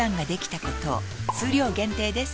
数量限定です